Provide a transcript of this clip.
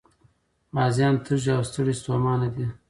غازيان تږي او ستړي ستومانه دي.